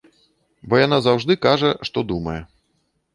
Бо яна заўжды кажа, што думае.